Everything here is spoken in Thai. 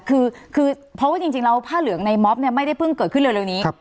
คือพอว่าจริงเราผ้าเหลืองในม็อปไม่ได้เพิ่งเกิดขึ้นเร็วนี้